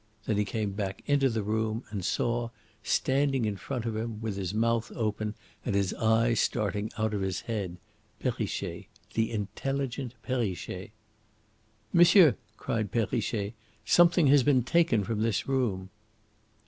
Then he came back into the room and saw, standing in front of him, with his mouth open and his eyes starting out of his head, Perrichet the intelligent Perrichet. "Monsieur," cried Perrichet, "something has been taken from this room."